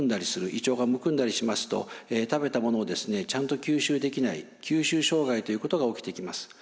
胃腸がむくんだりしますと食べたものをちゃんと吸収できない吸収障害ということが起きてきます。